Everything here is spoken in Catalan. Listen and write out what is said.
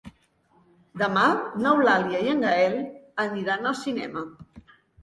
Demà n'Eulàlia i en Gaël aniran al cinema.